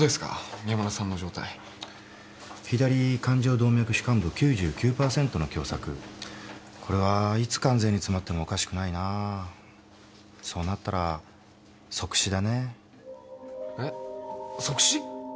宮村さんの状態左冠状動脈主幹部９９％の狭さくこれはいつ完全に詰まってもおかしくないなそうなったら即死だねえッ即死！？